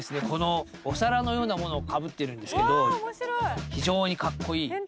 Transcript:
このお皿のようなものをかぶってるんですけど非常にかっこいい。